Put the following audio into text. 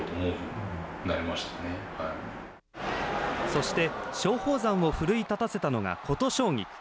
そして松鳳山を奮い立たせたのが琴奨菊。